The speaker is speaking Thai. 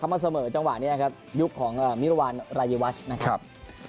มาเสมอจังหวะนี้นะครับยุคของมิรวรรณรายวัชนะครับ